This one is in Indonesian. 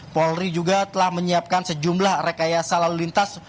polri juga telah menyiapkan sejumlah rekayasa lalu lintas